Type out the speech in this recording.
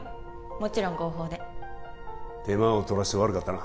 もちろん合法で手間を取らせて悪かったな